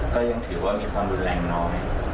ก็ยังถือว่ามีความรุนแรงน้อย